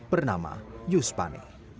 bernama yus pani